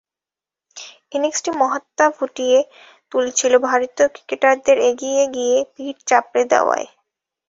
ইনিংসটির মাহাত্ম্য ফুটিয়ে তুলছিল ভারতীয় ক্রিকেটারদের এগিয়ে গিয়ে পিঠ চাপড়ে দেওয়াও।